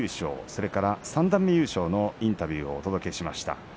それから三段目優勝のインタビューをお届けしました。